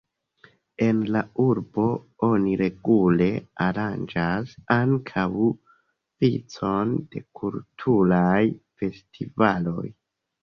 En la urbo oni regule aranĝas ankaŭ vicon de kulturaj festivaloj.